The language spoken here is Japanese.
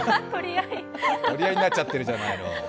取り合いになっちゃってるじゃない。